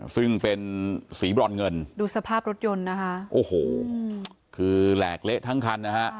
ซึ่งเป็นสีบรอนเงินดูสภาพรถยนต์นะคะโอ้โหคือแหลกเละทั้งคันนะฮะ